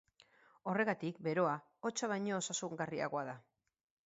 Horregatik, beroa hotza baino osasungarriagoa da.